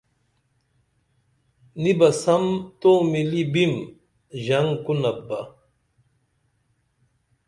نی بہ سم تومِلی بِم ژنگ کونپ بہ